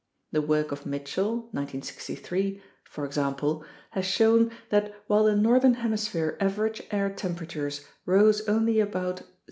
The work of Mitchell (1963), for example, has shown that while the northern hemisphere average air temperatures rose only about 0.